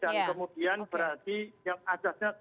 dan kemudian berarti yang adatnya suka sama suka